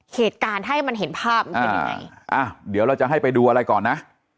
เหตุการณ์ให้มันเห็นภาพมันเป็นยังไงอ่ะเดี๋ยวเราจะให้ไปดูอะไรก่อนนะ